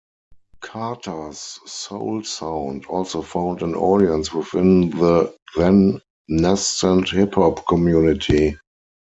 Carter's soul sound also found an audience within the then-nascent hip-hop community.